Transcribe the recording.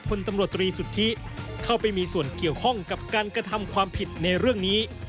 คนตำรวจตรีสุทธิเข้าไปมีส่วนเกี่ยวข้องกับการกระทำความผิดในเรื่องนี้